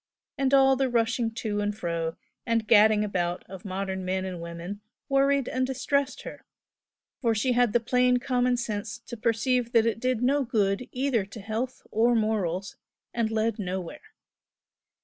and all the rushing to and fro and gadding about of modern men and women worried and distressed her, for she had the plain common sense to perceive that it did no good either to health or morals, and led nowhere.